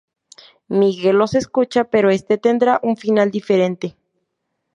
Miguel los escucha, pero este tendrá un final diferente.